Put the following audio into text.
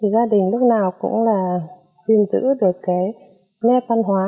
gia đình lúc nào cũng giữ được nét văn hóa